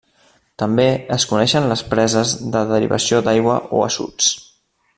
També es coneixien les preses de derivació d'aigua o assuts.